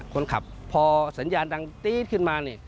คนขับพอสัญญาณดังตี๊ดขึ้นมานี่